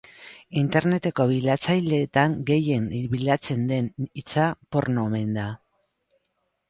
Interneteko bilatzaileetan gehien bilatzen den hitza porno omen da.